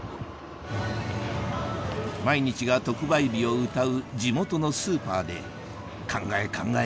毎日が特売日をうたう地元のスーパーで考え考え